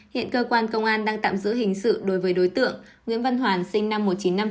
hiện cơ quan công an đang tạm giữ hình sự đối với đối tượng nguyễn văn hoàn sinh năm một nghìn chín trăm năm mươi